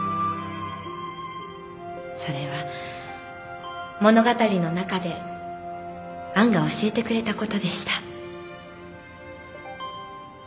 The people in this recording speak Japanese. それは物語の中でアンが教えてくれた事でした。